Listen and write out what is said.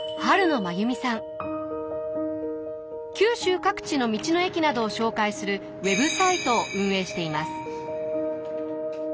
九州各地の道の駅などを紹介するウェブサイトを運営しています。